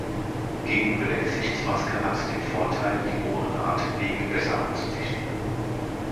Gegenüber der Gesichtsmaske hat sie den Vorteil, die oberen Atemwege besser abzudichten.